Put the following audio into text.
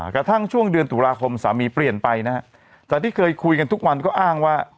กระทั่งช่วงเดือนตุลาคมสามีเปลี่ยนไปนะฮะจากที่เคยคุยกันทุกวันก็อ้างว่า